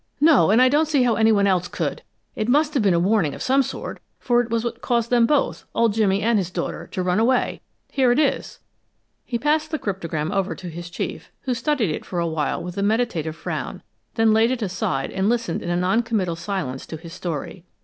"No, and I don't see how anyone else could! It must have been a warning of some sort, for it was what caused them both, old Jimmy and his daughter, to run away. Here it is." He passed the cryptogram over to his chief, who studied it for a while with a meditative frown, then laid it aside and listened in a non committal silence to his story.